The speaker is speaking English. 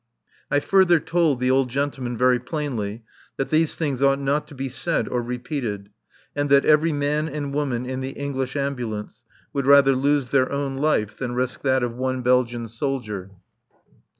I further told the old gentleman very plainly that these things ought not to be said or repeated, and that every man and woman in the English Ambulance would rather lose their own life than risk that of one Belgian soldier.